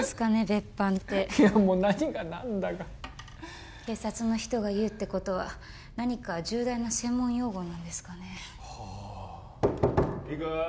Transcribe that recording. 別班っていやもう何が何だか警察の人が言うってことは何か重大な専門用語なんですかねはあいいか？